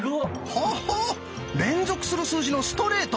ほほう！連続する数字の「ストレート」！